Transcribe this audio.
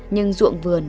nhưng ruộng vườn